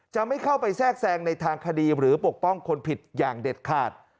จะไม่เข้าไปแทรกแซงในทางคดีหรือปกป้องคนผิดอย่างเด็ดขาด